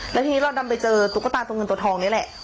แล้วทีนี้เราดันไปเจอตุ๊กตาตัวเงินตัวทองนี่แหละ